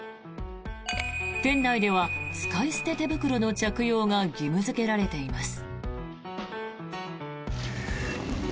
店内では使い捨て手袋の着用が義務付けられています。